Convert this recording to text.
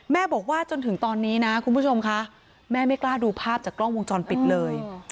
แม่บอกว่าจนถึงตอนนี้นะคุณผู้ชมคะแม่ไม่กล้าดูภาพจากกล้องวงจรปิดเลย